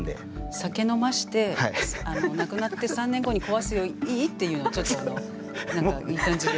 酒飲まして「亡くなって３年後に壊すよ。いい？」っていうのをちょっとあの何かいい感じで。